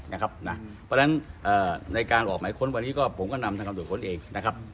เพราะฉะนั้นในการออกหมายค้นวันนี้ก็ผมก็นำทางตำรวจค้นเองนะครับ